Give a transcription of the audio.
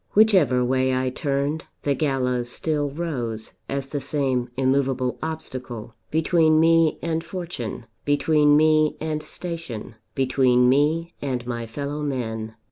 Whichever way I turned, the gallows still rose as the same immovable obstacle between me and fortune, between me and station, between me and my fellowmen.